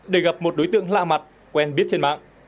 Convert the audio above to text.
để gặp một đối tượng lạ mặt quen biết trên mạng